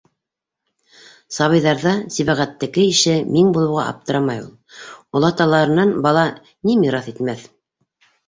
Сабыйҙарҙа Сибәғәттеке ише миң булыуға аптырамай ул: олаталарынан бала ни мираҫ итмәҫ?